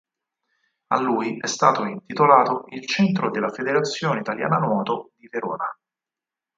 A lui è stato intitolato il centro della Federazione Italiana Nuoto di Verona.